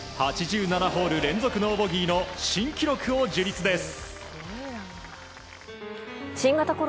８７ホール連続ノーボギーの新記録を樹立です。